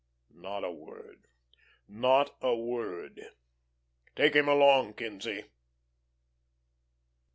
"Not a word. Not a word. Take him along, Kinzie."